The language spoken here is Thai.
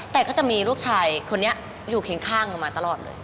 แต่ก็จะมีลูกชายคนนี้อยู่เคียงข้างหนูมาตลอดเลย